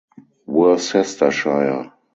Worcestershire.